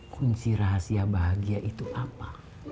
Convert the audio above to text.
kunci rahasia bahagia itu apa